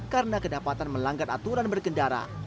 karena kedapatan melanggar aturan berkendara